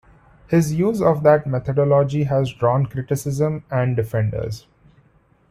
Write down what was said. His use of that methodology has drawn criticism and defenders.